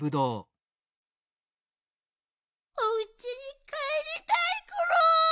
おうちにかえりたいコロ。